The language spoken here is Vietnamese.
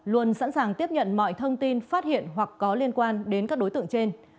luôn sẵn sàng tiếp nhận mọi thông tin phát hiện hoặc có liên quan đến các đối tượng trên